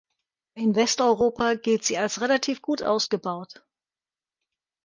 In Westeuropa gilt sie als relativ gut ausgebaut.